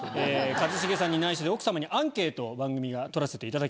一茂さんに内緒で奥様にアンケートを番組が取らせていただきました。